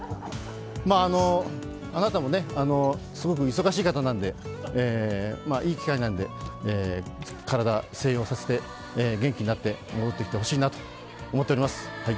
あなたもね、すごく忙しい方なんでいい機会なんで体、静養して、元気になって戻ってきてほしいなと思っております。